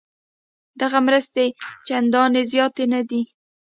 دغه مرستې چندانې زیاتې نه دي.